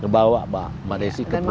bawa mbak desi ke luar